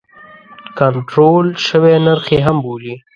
کنټرول شوی نرخ یې هم بولي.